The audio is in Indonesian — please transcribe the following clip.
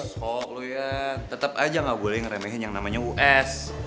iya sok lu ya tetep aja gak boleh ngeremehin yang namanya us